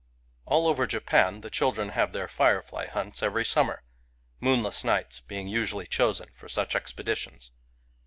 All over Japan, the children have their firefly hunts every summer; — moonless nights be ing usually chosen for such expeditions.